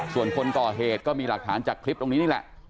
ส่วนคนก่อเหตุก็มีหลักฐานจากคลิปตรงนี้นี่แหละ